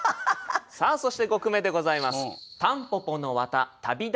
さあそして５句目でございます。